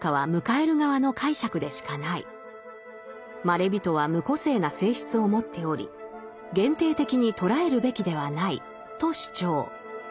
まれびとは無個性な性質を持っており限定的に捉えるべきではないと主張。